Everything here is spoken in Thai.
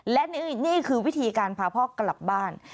และนี่คือวิธีการพาพ่อกลับบ้าน